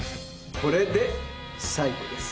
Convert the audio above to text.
これで最後です。